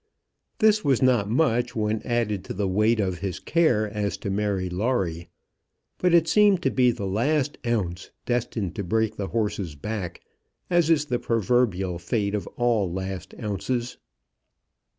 This was not much when added to the weight of his care as to Mary Lawrie, but it seemed to be the last ounce destined to break the horse's back, as is the proverbial fate of all last ounces.